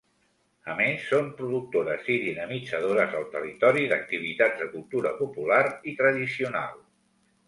A més, són productores i dinamitzadores al territori d’activitats de cultura popular i tradicional.